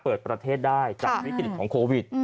เปิดประเทศได้จากวิกฤตของโควิด